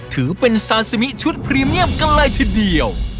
ถือเป็นซาซิมิชุดพรีเมียมกันเลยทีเดียว